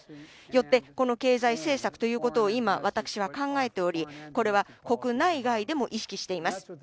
よってこの経済政策を今、私は考えておりこれは国内外でも意識しています。